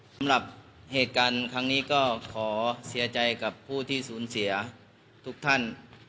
สำหรับเหตุการณ์ครั้งนี้ก็ขอเสียใจกับผู้ที่สูญเสียทุกท่าน